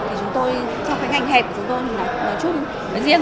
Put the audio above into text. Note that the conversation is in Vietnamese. thì chúng tôi trong cái ngành hẹp của chúng tôi nói chung nói riêng